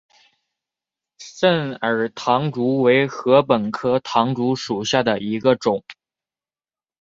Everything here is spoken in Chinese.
肾耳唐竹为禾本科唐竹属下的一个种。